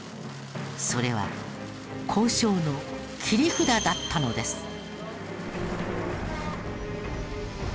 それは交渉の切り札だったのです。